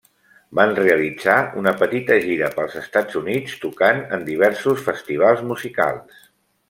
Van realitzar una petita gira pels Estats Units tocant en diversos festivals musicals.